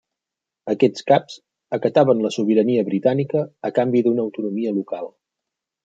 Aquests caps acataven la sobirania britànica a canvi d'una autonomia local.